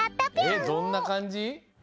えっどんなかんじ？